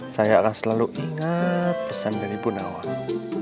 saya akan selalu ingat pesan dari bu nawan